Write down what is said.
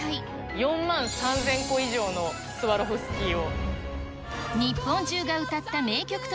４万３０００個以上のスワロフスキーを。